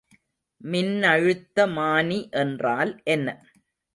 மின்னழுத்தமானி என்றால் என்ன?